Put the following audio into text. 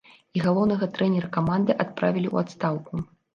І галоўнага трэнера каманды адправілі ў адстаўку.